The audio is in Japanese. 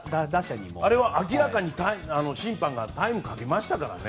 あれは明らかに審判がタイムかけましたからね。